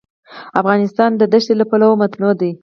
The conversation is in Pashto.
افغانستان د ښتې له پلوه متنوع دی.